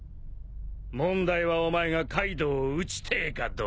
問題はお前がカイドウを討ちてえかどうかだ。